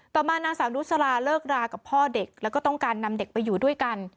ต่อมานางสาวนุสลาเลิกรากับพ่อเด็กแล้วก็ต้องการนำเด็กไปอยู่ด้วยกัน